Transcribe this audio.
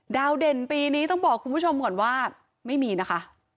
เด่นปีนี้ต้องบอกคุณผู้ชมก่อนว่าไม่มีนะคะ